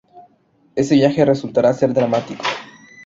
Ese viaje resultara ser dramático.